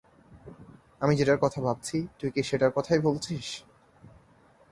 আমি যেটার কথা ভাবছি, তুই কি সেটার কথাই বলছিস?